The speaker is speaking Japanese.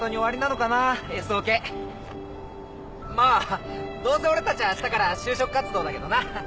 まあどうせ俺たちはあしたから就職活動だけどな。